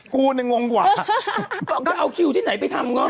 บอกจะเอาคิวที่ไหนไปทำก็